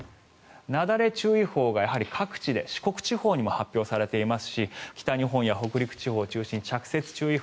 なだれ注意報が各地で四国地方にも発表されていますし北日本や北陸地方を中心に着雪注意報